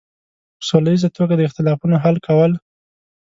په سوله ییزه توګه د اختلافونو حل کول.